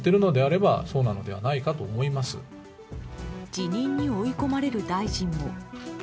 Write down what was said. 辞任に追い込まれる大臣も。